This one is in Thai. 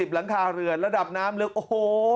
หลังคาเรือนระดับน้ำลึกโอ้โห